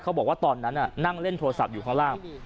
บอกว่าตอนนั้นนั่งเล่นโทรศัพท์อยู่ข้างล่าง